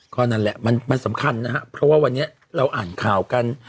ก็นั่นแหละมันสำคัญนะครับเพราะว่าวันนี้เราอ่านข่าวกัน